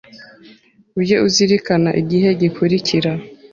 Ujye uzirikana igihe gikurikira.